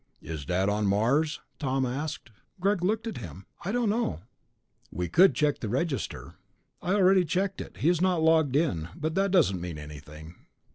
"Is Dad on Mars?" Tom asked. Greg looked at him. "I don't know." "We could check the register." "I already checked it. He has not logged in, but that doesn't mean anything."